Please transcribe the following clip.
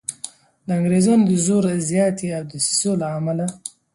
د انګریزانو د زور زیاتي او دسیسو له امله.